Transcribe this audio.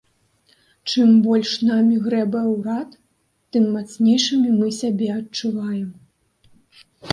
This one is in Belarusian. Чым больш намі грэбуе ўрад, тым мацнейшымі мы сябе адчуваем.